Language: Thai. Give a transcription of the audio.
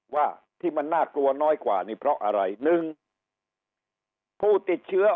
ว่าที่มันน่ากลัวน้อยกว่านี่เพราะอะไรหนึ่งผู้ติดเชื้อ